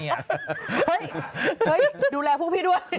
เฮ้ยดูแลพวกพี่ด้วย